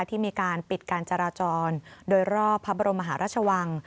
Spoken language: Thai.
ที่มีการปิดการจราจรโดยรอบพระบรมมหาราชวัง